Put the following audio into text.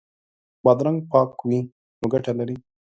بادرنګ پاک وي نو ګټه لري.